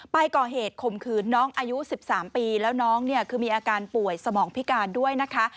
ก่อเหตุข่มขืนน้องอายุ๑๓ปีแล้วน้องเนี่ยคือมีอาการป่วยสมองพิการด้วยนะคะ